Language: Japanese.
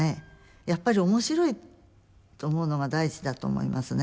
やっぱり面白いと思うのが大事だと思いますね。